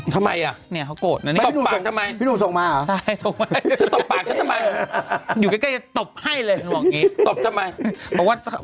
ทำไมอ่ะตบปากทำไมพี่หนูส่งมาหรอตบปากฉันทำไมอยู่ใกล้จะตบให้เลยตบทำไม